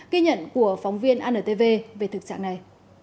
ghi nhận của phóng viên antv về thực trạng này